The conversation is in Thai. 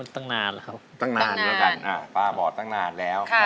ตั้งนานแล้วครับตั้งนานแล้วกันป้าบอกตั้งนานแล้ว